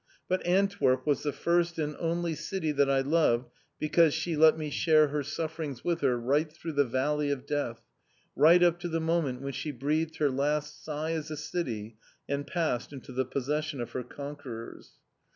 But Antwerp was the first and only city that I loved because she let me share her sufferings with her right through the Valley of Death, right up to the moment when she breathed her last sigh as a city, and passed into the possession of her conquerors.